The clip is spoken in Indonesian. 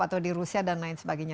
atau di rusia dan lain sebagainya